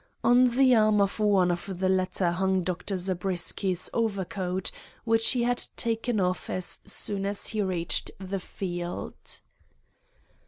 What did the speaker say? On the arm of one of the latter hung Dr. Zabriskie's overcoat, which he had taken off as soon as he reached the field.